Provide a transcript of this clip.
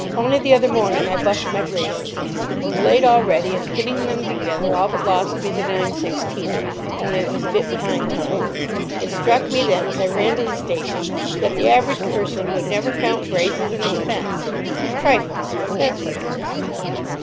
Only the other morning I bust my braces. I was late already, and pinning them together all but lost me the 9:16, only it was a bit behind time. It struck me then as I ran to the station that the average person would never count braces an expense. Trifles—that's what it is.